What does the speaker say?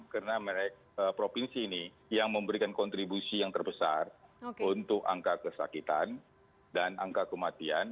karena merek provinsi ini yang memberikan kontribusi yang terbesar untuk angka kesakitan dan angka kematian